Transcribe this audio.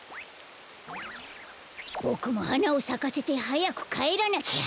ボクもはなをさかせてはやくかえらなきゃ。